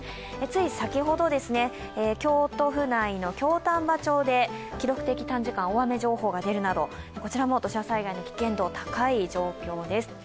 つい先ほど、京都府内の京丹波町で記録的短時間大雨情報が出るなど、こちらも土砂災害の危険度高い状態です。